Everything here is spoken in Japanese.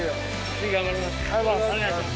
次頑張ります。